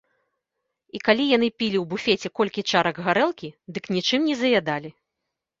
І калі яны пілі ў буфеце колькі чарак гарэлкі, дык нічым не заядалі.